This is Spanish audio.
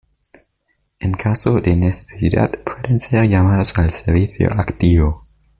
En caso de necesidad, pueden ser llamados al servicio activo.